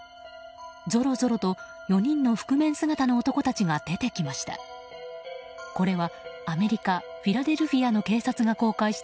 ぞろぞろと４人の覆面姿の男たちが出てきました。